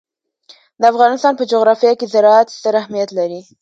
د افغانستان په جغرافیه کې زراعت ستر اهمیت لري.